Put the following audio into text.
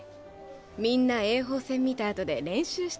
みんな英邦戦見たあとで練習してたりして。